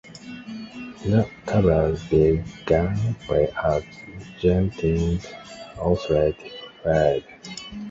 The Cavaliers began play at Jenkins Athletic Field.